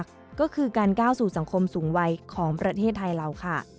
ก็คือการก้าวสู่สังคมสูงวัยของประเทศไทยเราค่ะ